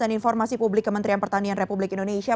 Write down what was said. dan informasi publik kementerian pertanian republik indonesia